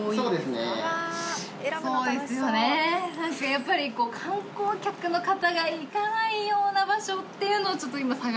やっぱり観光客の方が行かないような場所っていうのを今探して。